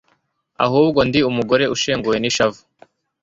ahubwo ndi umugore ushenguwe n'ishavu